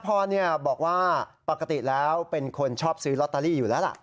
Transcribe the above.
พรบอกว่าปกติแล้วเป็นคนชอบซื้อลอตเตอรี่อยู่แล้วล่ะ